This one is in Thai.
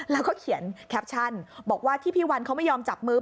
แล้วก็เขียนแคปชั่นบอกว่าที่พี่วันเขาไม่ยอมจับมือ